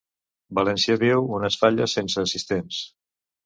València viu unes Falles sense assistents